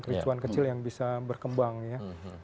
kericuan kecil yang bisa berkembang ya